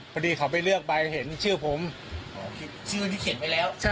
พอดีเขาไปเลือกใบเห็นชื่อผมชื่อที่เขียนไว้แล้ว